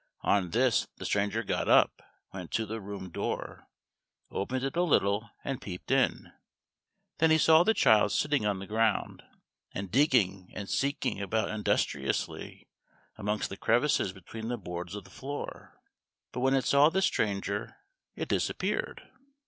On this the stranger got up, went to the room door, opened it a little, and peeped in. Then he saw the child sitting on the ground, and digging and seeking about industriously amongst the crevices between the boards of the floor, but when it saw the stranger, it disappeared.